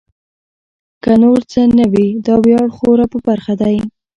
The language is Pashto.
که نور څه نه وي دا ویاړ خو را په برخه دی.